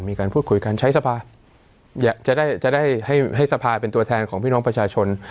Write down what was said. มีการพูดคุยกันใช้สภาจะได้จะได้ให้สภาเป็นตัวแทนของพี่น้องประชาชน